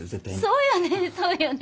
そうよねそうよね